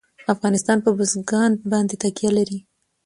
افغانستان په بزګان باندې تکیه لري.